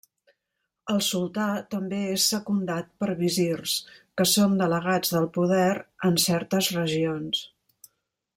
El sultà també és secundat per visirs, que són delegats del poder en certes regions.